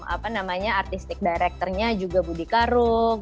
apa namanya artistic directornya juga budi karung